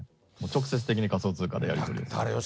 直接的に仮想通貨でやり取りすれば。